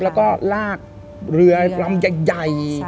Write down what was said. แล้วก็ลากเรือลำใหญ่